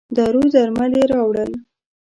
دارو درمل یې راووړل.